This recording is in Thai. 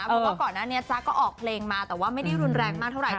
เพราะว่าก่อนหน้านี้จ๊ะก็ออกเพลงมาแต่ว่าไม่ได้รุนแรงมากเท่าไหร